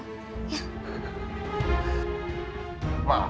menyembah papa kamu yang menenangkan kenzo